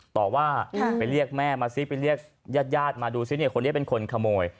ต่อว่าไปเรียกแม่มาซิไปเรียกญาติญาติมาดูซิเนี่ยคนนี้เป็นคนขโมย